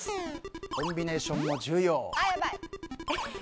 コンビネーションも重要。